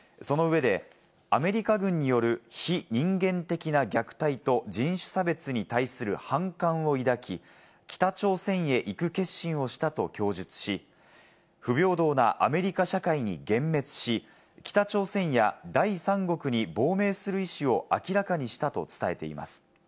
その上でアメリカ軍による非人間的な虐待と人種差別に対する反感を抱き、北朝鮮へ行く決心をしたと供述し、不平等なアメリカ社会に幻滅し、北朝鮮や第三国に亡命する意思を明らかにしたと伝えています。